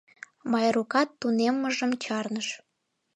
Майрукат тунеммыжым чарныш.